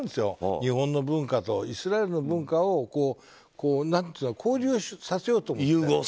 日本の文化とイスラエルの文化を交流させようと思って。